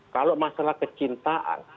kalau masalah kecintaan